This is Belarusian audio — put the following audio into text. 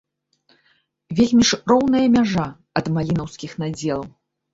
Вельмі ж роўная мяжа ад малінаўскіх надзелаў.